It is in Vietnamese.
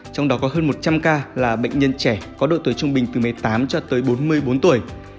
trong đó có hơn một trăm linh ca là bệnh nhân trẻ có độ tuổi trung bình từ một mươi tám cho tới bốn mươi bốn tuổi